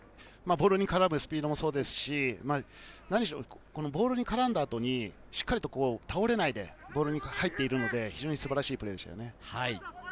ボールに絡むスピードもそうですし何しろボールに絡んだ後にしっかり倒れないでボールに入っているので非常に素晴らしいプレーでしたね。